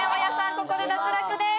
ここで脱落です。